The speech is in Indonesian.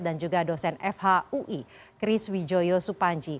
dan juga dosen fhui chris wijodjian